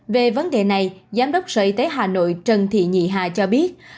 về vấn đề này giám đốc sở y tế hà nội trần thị nhị hà cho biết